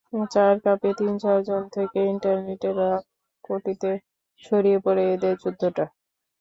চায়ের কাপে তিন চারজন থেকে ইন্টারনেটে লাখ-কোটিতে ছড়িয়ে পড়ে এঁদের যুদ্ধটা।